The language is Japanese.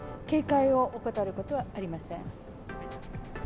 警戒を怠ることはありません。